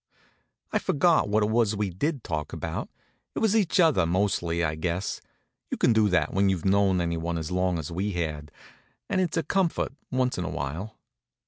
I forgot what it was we did talk about. It was each other mostly, I guess. You can do that when you've known anyone as long as we had; and it's a comfort, once in a while.